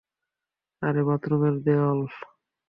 আরে বাথরুমের দেয়াল।